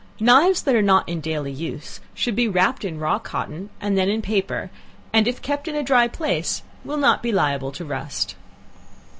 Knives that are not in daily use should be wrapped in raw cotton and then in paper, and if kept in a dry place will not be liable to rust.